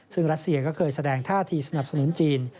ซึ่งรัสเซียก็เคยแสดงท่าทีสนับสนุนจีน